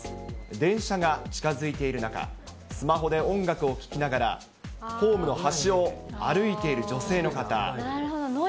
電車が近づいている中、スマホで音楽を聴きながら、ホームの端を歩いている女性の方。